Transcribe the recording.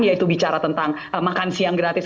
yaitu bicara tentang makan siang gratis